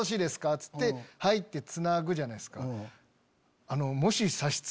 っつってつなぐじゃないですか。